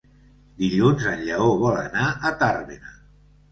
Dilluns en Lleó vol anar a Tàrbena.